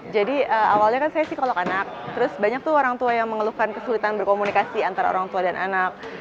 jadi awalnya saya psikolog anak terus banyak orang tua yang mengeluhkan kesulitan berkomunikasi antara orang tua dan anak